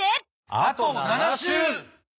あと７週！